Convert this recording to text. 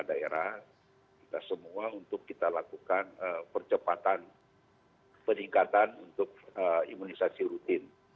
daerah kita semua untuk kita lakukan percepatan peningkatan untuk imunisasi rutin